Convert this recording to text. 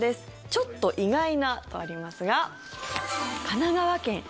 ちょっと意外なとありますが意外！